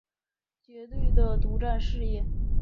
绝对的独占事业